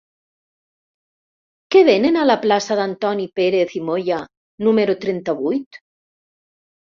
Què venen a la plaça d'Antoni Pérez i Moya número trenta-vuit?